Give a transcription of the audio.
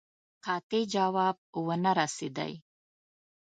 قاطع جواب ونه رسېدی.